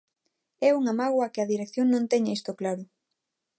É unha mágoa que a dirección non teña isto claro.